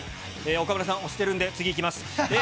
岡村さん、押してるんで、次いきます。